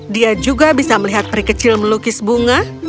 dia juga bisa melihat pri kecil melukis bunga